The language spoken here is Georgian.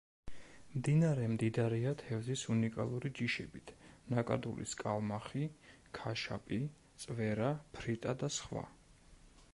მდინარე მდიდარია თევზის უნიკალური ჯიშებით: ნაკადულის კალმახი, ქაშაპი, წვერა, ფრიტა და სხვა.